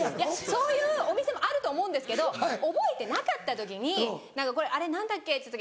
そういうお店もあると思うんですけど覚えてなかった時に「あれ何だっけ？」